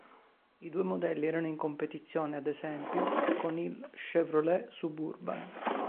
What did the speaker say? I due modelli erano in competizione, ad esempio, con il Chevrolet Suburban.